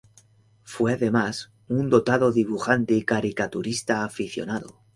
Fue además, un dotado dibujante y caricaturista aficionado.